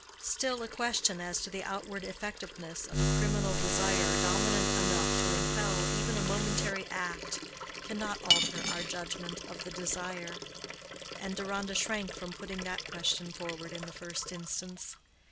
Still, a question as to the outward effectiveness of a criminal desire dominant enough to impel even a momentary act, cannot alter our judgment of the desire; and Deronda shrank from putting that question forward in the first instance.